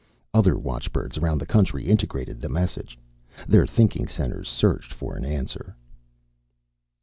Other watchbirds around the country integrated the message. Their thinking centers searched for an answer.